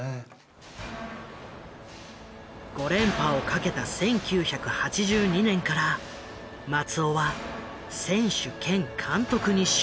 ５連覇をかけた１９８２年から松尾は選手兼監督に就任。